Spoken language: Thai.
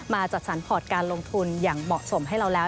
จัดสรรพการลงทุนอย่างเหมาะสมให้เราแล้ว